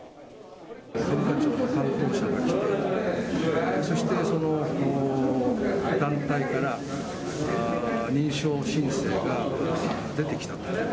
文化庁の担当者が来て、そしてその団体から認証申請が出てきたと。